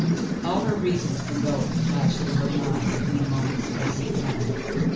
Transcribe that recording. All her reasons for going flashed through her mind in a moment's space of time.